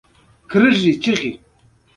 اموخته شو، هماغه خوند یې خوله کې ناست دی.